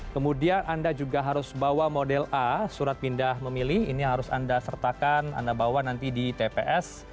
kemudian anda juga harus bawa model a surat pindah memilih ini harus anda sertakan anda bawa nanti di tps